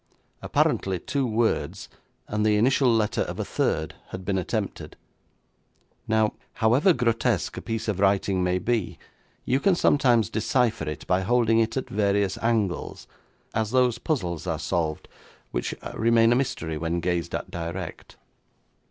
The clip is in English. Apparently two words and the initial letter of a third had been attempted. Now, however grotesque a piece of writing may be, you can sometimes decipher it by holding it at various angles, as those puzzles are solved which remain a mystery when gazed at direct.